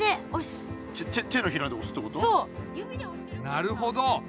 なるほど！